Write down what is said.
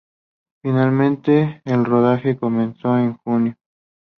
Finalmente el rodaje comenzó en junio.